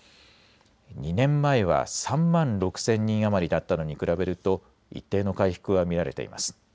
２年前は３万６０００人余りだったのに比べると一定の回復は見られています。